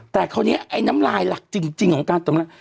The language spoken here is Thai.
แต่เหรอนี้น้ำลายหลักจริงของการตรวจนาน